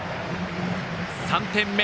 ３点目。